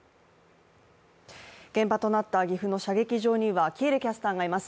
現場となった岐阜の射撃場には喜入キャスターがいます。